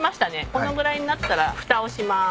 このぐらいになったらふたをします。